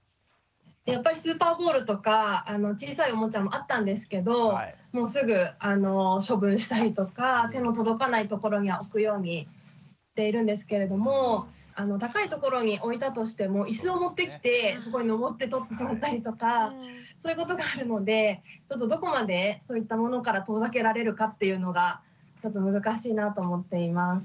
やっぱりスーパーボールとか小さいおもちゃもあったんですけどすぐ処分したりとか手の届かない所に置くようにしているんですけれども高い所に置いたとしても椅子を持ってきてそこにのぼって取ってしまったりとかそういうことがあるのでどこまでそういったものから遠ざけられるかっていうのがちょっと難しいなと思っています。